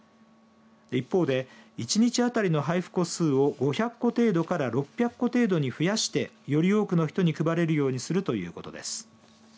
一方で、１日当たりの配布個数を５００個程度から６００個程度に増やして、より多くの人に配れるようにするということです。